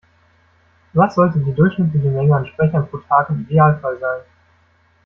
Was sollte die durchschnittliche Menge an Sprechern pro Tag im Idealfall sein?